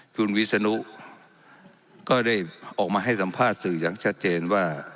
คุณวิศนุก็ได้ออกมาให้สัมภาษณ์สื่ออย่างชัดเจนว่า